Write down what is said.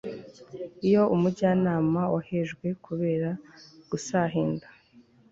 Iyo Umujyanama wahejwe kubera gusahinda